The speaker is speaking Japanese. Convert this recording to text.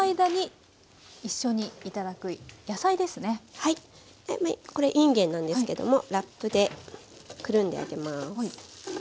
はいこれいんげんなんですけどもラップでくるんであげます。